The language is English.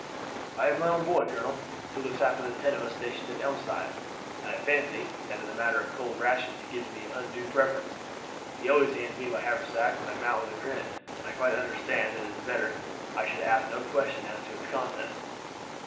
"I have my own boy, colonel, who looks after the ten of us stationed at Elmside, and I fancy that in the matter of cold rations he gives me an undue preference. He always hands me my haversack when I mount with a grin, and I quite understand that it is better I should ask no questions as to its contents."